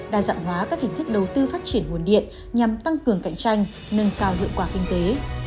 đa dạng hóa các hình thức đầu tư phát triển nguồn điện nhằm tăng cường cạnh tranh nâng cao hiệu quả kinh tế